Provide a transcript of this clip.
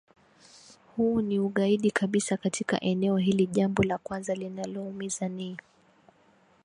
Huu ni ugaidi kabisa katika eneo hili Jambo la kwanza linaloumiza ni